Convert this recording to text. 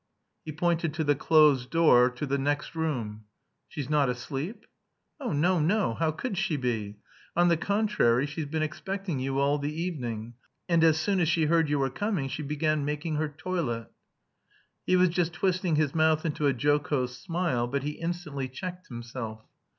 He pointed to the closed door to the next room. "She's not asleep?" "Oh, no, no. How could she be? On the contrary, she's been expecting you all the evening, and as soon as she heard you were coming she began making her toilet." He was just twisting his mouth into a jocose smile, but he instantly checked himself.